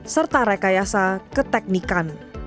serta rekayasa keteknikan